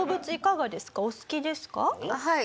はい。